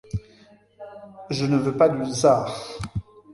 Je ne veux pas du czar.